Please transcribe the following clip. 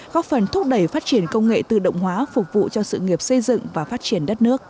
góp phần thúc đẩy phát triển công nghệ tự động hóa phục vụ cho sự nghiệp xây dựng và phát triển đất nước